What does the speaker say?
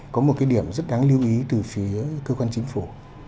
có một cái điểm rất đáng lưu ý từ phía cơ quan chính phủ